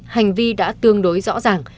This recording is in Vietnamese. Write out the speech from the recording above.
hành vi đã tương đối rõ ràng